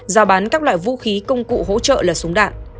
giao bán các loại vũ khí công cụ hỗ trợ là súng đạn